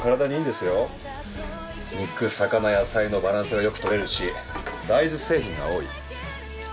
肉魚野菜のバランスがよく取れるしダイズ製品が多い。